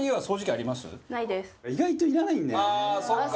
意外といらないんだよね。